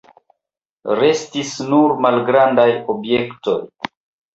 Restis nur malgrandaj objektoj.